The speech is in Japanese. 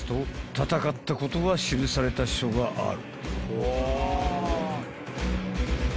戦ったことが記された書がある］